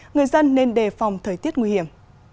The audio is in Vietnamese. người dân nên đề phòng thời tiết nguy hiểm